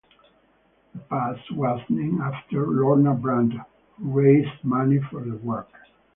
The pass was named after Lorna Brand, who raised money for the work.